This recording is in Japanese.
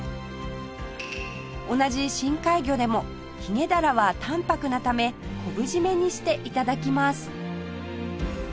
同じ深海魚でもヒゲダラは淡泊なため昆布締めにして頂きます